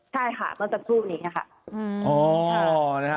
ใช่ค่ะเมื่อสักครู่นี้ค่ะ